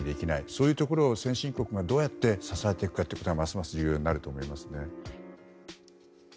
そういうところを先進国がどう支えていくかというのがますます重要になると思います。